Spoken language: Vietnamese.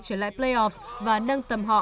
trở lại playoffs và nâng tầm họ